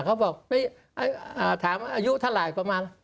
เขาบอกถามอายุเท่าไหร่ประมาณ